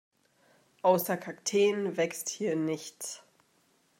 Außer Kakteen wächst hier nichts.